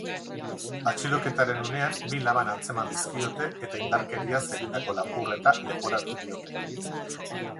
Atxiloketaren unean bi labana atzeman dizkiote, eta indarkeriaz egindako lapurreta leporatu diote.